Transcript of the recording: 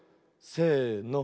せの。